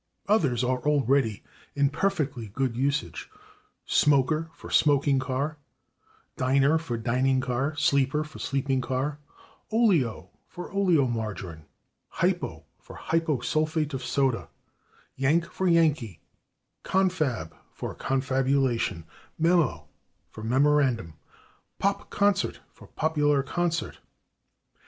Others are already in perfectly good usage: /smoker/ for /smoking car/, /diner/ for /dining car/, /sleeper/ for /sleeping car/, /oleo/ for /oleomargarine/, /hypo/ for /hyposulphite of soda/, /Yank/ for /Yankee/, /confab/ for /confabulation/, /memo/ for /memorandum/, /pop concert/ for /popular concert